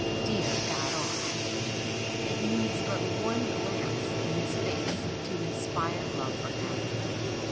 Dear Garrone ! it needs but one glance in his face to inspire love for him.